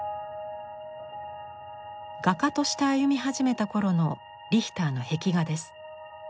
画家として歩み始めたころのリヒターの壁画です。